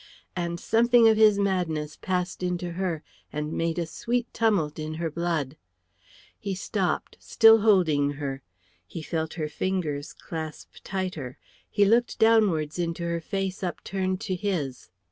And something of his madness passed into her and made a sweet tumult in her blood. He stopped still holding her; he felt her fingers clasp tighter; he looked downwards into her face upturned to his.